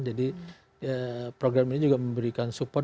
jadi program ini juga memberikan support